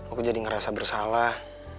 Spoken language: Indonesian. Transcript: aku jadi ngerasa bersalah